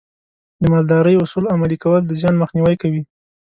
د مالدارۍ اصول عملي کول د زیان مخنیوی کوي.